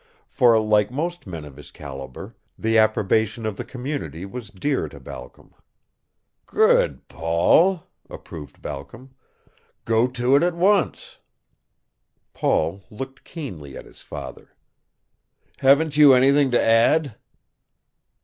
For, like most men of his caliber, the approbation of the community was dear to Balcom. "Good, Paul!" approved Balcom. "Go to it at once." Paul looked keenly at his father. "Haven't you anything to add?"